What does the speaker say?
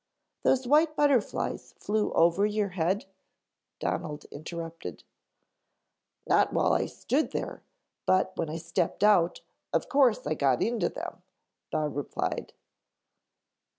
"Those white butterflies flew over your head?" Donald interrupted. "Not while I stood there, but when I stepped out of course I got into them," Bob replied.